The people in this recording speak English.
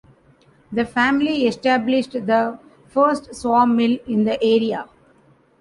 The family established the first sawmill in the area.